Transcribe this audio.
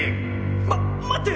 ま待って！